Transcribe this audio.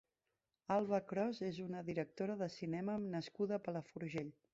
Alba Cros és una directora de cinema nascuda a Palafrugell.